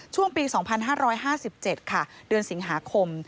ช่วงปี๒๕๕๗ค่ะเดือนสิงหาคม